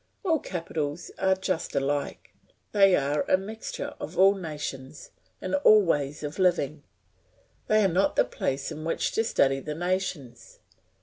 All capitals are just alike, they are a mixture of all nations and all ways of living; they are not the place in which to study the nations.